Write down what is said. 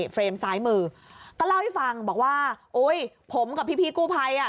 เฟรมซ้ายมือก็เล่าให้ฟังบอกว่าโอ้ยผมกับพี่กู้ภัยอ่ะ